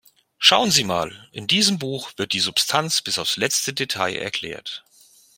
Schauen Sie mal, in diesem Buch wird die Substanz bis aufs letzte Detail erklärt.